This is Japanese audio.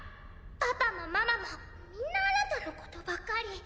パパもママもみんなあなたのことばっかり。